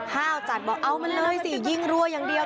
ห้าวจัดบอกเอามันเลยสิยิงรัวอย่างเดียว